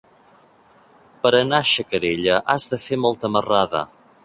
Per anar a Xacarella has de fer molta marrada.